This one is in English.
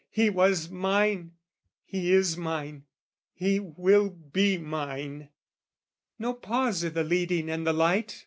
He was mine, he is mine, he will be mine. No pause i' the leading and the light!